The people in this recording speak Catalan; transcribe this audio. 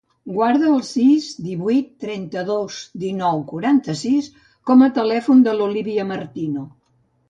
Guarda el sis, divuit, trenta-dos, dinou, quaranta-sis com a telèfon de l'Olívia Martino.